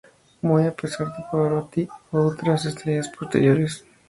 Muy a pesar de Pavarotti u otras estrellas posteriores.